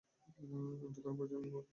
এটা তোর প্রয়োজন তুই ভালো করে খা।